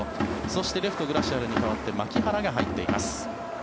そして、レフトグラシアルに代わって牧原が入っています。